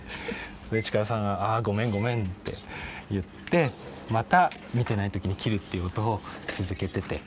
で力さんが「あごめんごめん」って言ってまた見てない時に切るっていうことを続けてて。